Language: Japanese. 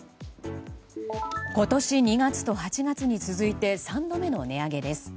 今年２月と８月に続いて３度目の値上げです。